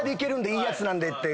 いいやつなんでって。